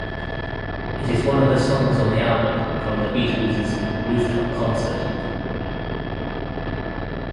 It is one of the songs on the album from the Beatles' rooftop concert.